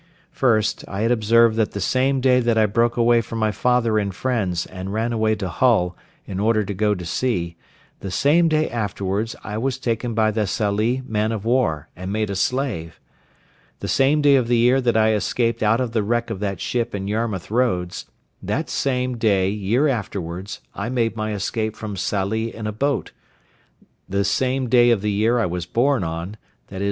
First, I had observed that the same day that I broke away from my father and friends and ran away to Hull, in order to go to sea, the same day afterwards I was taken by the Sallee man of war, and made a slave; the same day of the year that I escaped out of the wreck of that ship in Yarmouth Roads, that same day year afterwards I made my escape from Sallee in a boat; the same day of the year I was born on—viz.